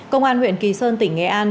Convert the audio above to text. công an huyện kỳ sơn tỉnh nghệ an